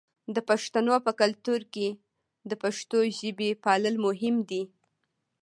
د پښتنو په کلتور کې د پښتو ژبې پالل مهم دي.